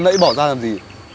nãy bỏ ra làm gì